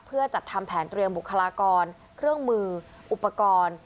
เพื่อจัดทำแผนเตรียมบุคลากรเครื่องมืออุปกรณ์